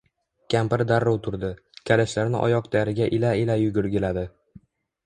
Kampiri darrov turdi. Kalishlarini oyokdariga ila-ila yugurgiladi.